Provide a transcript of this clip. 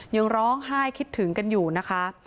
ยังร้องไห้คิดถึงกันอยู่นะคะ